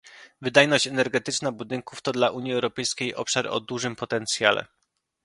Wydajność energetyczna budynków to dla Unii Europejskiej obszar o dużym potencjale